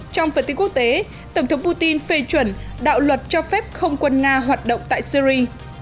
trong phần tin quốc tế tổng thống putin phê chuẩn đạo luật cho phép không quân nga hoạt động tại syri